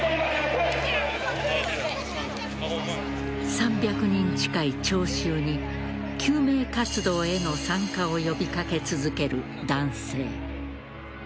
３００人近い聴衆に救命活動への参加を呼び掛け続ける男性。